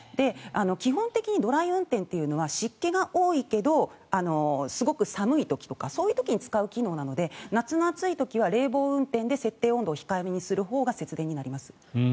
基本的にドライ運転というのは湿気が多いけどすごく寒い時とかそういう時に使う機能なので夏の暑い時は冷房運転で設定温度を控えめにするほうが節電になります。